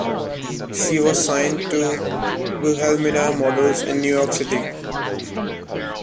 She was signed to Wilhelmina Models in New York City.